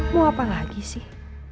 mau apa lagi sih